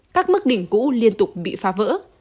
các mức đỉnh cũ liên tục bị phá vỡ